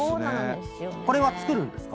これは作るんですか？